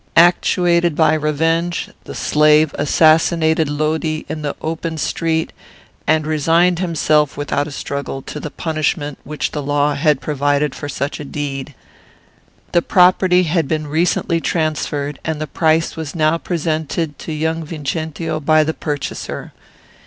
Actuated by revenge, the slave assassinated Lodi in the open street, and resigned himself, without a struggle, to the punishment which the law had provided for such a deed. "The property had been recently transferred, and the price was now presented to young Vincentio by the purchaser.